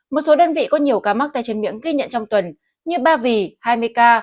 một số đơn vị có nhiều ca mắc tay chân miệng ghi nhận trong tuần như ba vì hai mươi ca